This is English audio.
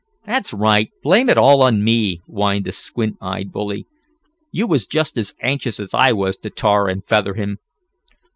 "That's right! Blame it all on me," whined the squint eyed bully. "You was just as anxious as I was to tar and feather him."